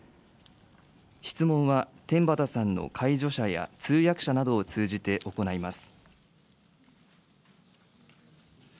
質問は天畠さんの介助者や通訳者などを通じて行います。